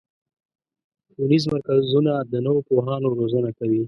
ښوونیز مرکزونه د نوو پوهانو روزنه کوي.